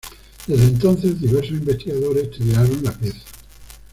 Desde entonces, diversos investigadores estudiaron la pieza.